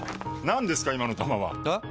何ですか今の球は！え？